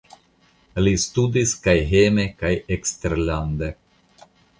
Li studis kaj hejme kaj eksterlande.